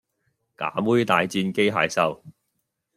㗎妹大戰機械獸